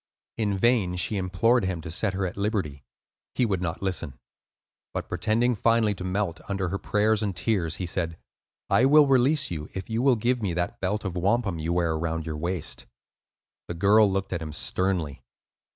In vain she implored him to set her at liberty; he would not listen. But pretending finally to melt under her prayers and tears, he said, "I will release you if you will give me that belt of wampum you wear around your waist." The girl looked at him sternly.